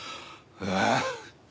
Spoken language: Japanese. ああ！